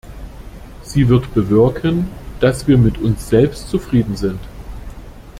Sie wird bewirken, dass wir mit uns selbst zufrieden sind.